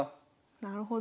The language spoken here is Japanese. なるほど。